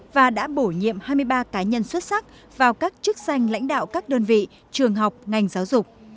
và đã bổ nhiệm hai mươi ba cá nhân xuất sắc vào các chức danh lãnh đạo các đơn vị trường học ngành giáo dục